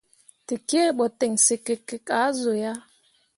Tekie ɓo ten sǝkikki ah zu yah.